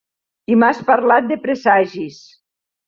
I m'has parlat de presagis.